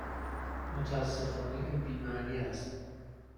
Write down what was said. متاسفانه این بی معنی است.